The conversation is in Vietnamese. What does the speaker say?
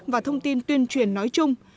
và thông tin tuyên truyền nói chung